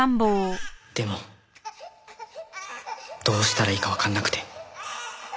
でもどうしたらいいかわかんなくて。